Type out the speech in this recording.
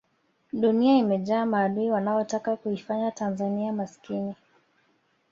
dunia imejaa maadui wanaotaka kuifanya tanzania maskini